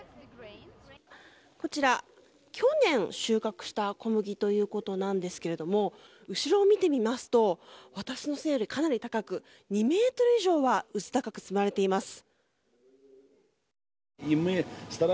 こちら、去年収穫した小麦ということなんですが後ろを見てみますと私の背よりかなり高く２ｍ以上は高く積まれています。